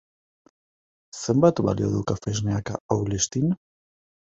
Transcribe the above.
Zenbat balio du kafesneak Aulestin?